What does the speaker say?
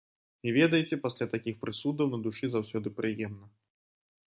І, ведаеце, пасля такіх прысудаў на душы заўсёды прыемна.